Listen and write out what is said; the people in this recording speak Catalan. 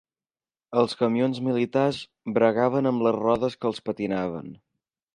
Els camions militars bregaven, amb les rodes que els patinaven